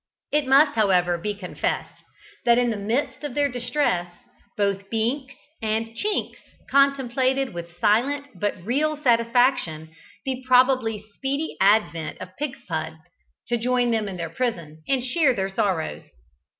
It must, however, be confessed, that in the midst of their distress both Binks and Chinks contemplated with silent but real satisfaction the probably speedy advent of Pigspud to join them in their prison, and share their sorrows.